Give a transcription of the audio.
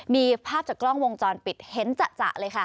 มีภาพจากกล้องวงจรปิดเห็นจะเลยค่ะ